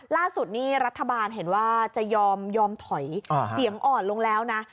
ล่าสุดนี่รัฐบาลเห็นว่าจะยอมถอยเสียงอ่อนลงแล้วนะ